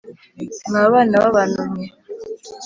Mwa bana b abantu mwe